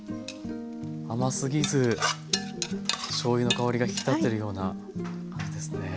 甘すぎずしょうゆの香りが引き立ってるような感じですね。